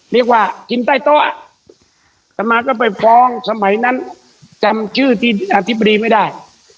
เรียกว่ากินใต้โต๊ะสมาก็ไปฟ้องสมัยนั้นจำชื่อที่อธิบดีไม่ได้